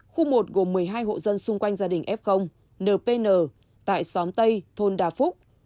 khu một gồm một mươi hai hộ dân xung quanh gia đình f npn tại xóm tây thôn đà phúc